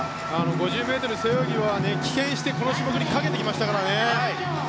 ５０ｍの背泳ぎは棄権をしてこの種目にかけてきましたからね。